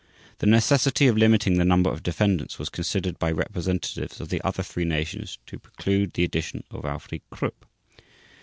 The necessity of limiting the number of defendants was considered by representatives of the other three nations to preclude the addition of Alfried Krupp.